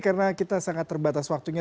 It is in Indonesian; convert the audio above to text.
karena kita sangat terbatas waktunya